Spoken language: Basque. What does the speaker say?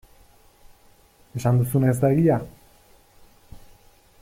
Esan duzuna ez da egia?